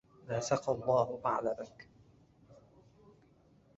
لا سقى الله بعلبك